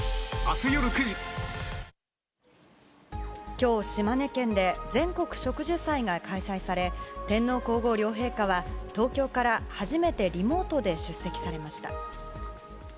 今日、島根県で全国植樹祭が開催され天皇・皇后両陛下は東京から初めてリモートで出席されました。